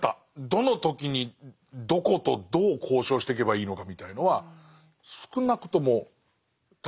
どの時にどことどう交渉していけばいいのかみたいのは少なくとも尊氏は結果出してますもんね。